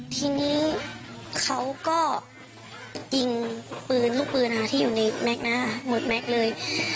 ทีนี้เขาก็ยิงปืนลูกปืนที่อยู่ในแม็กซ์หมดแม็กซ์เลย